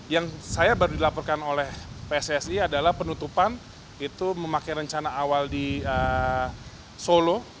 yang saya baru dilaporkan oleh pssi adalah penutupan itu memakai rencana awal di solo